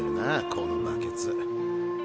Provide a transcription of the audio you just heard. このバケツ。